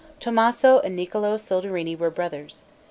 Tommaso and Niccolo Soderini were brothers.